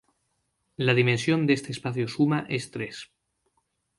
La dimensión de este espacio suma es tres.